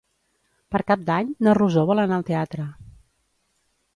Per Cap d'Any na Rosó vol anar al teatre.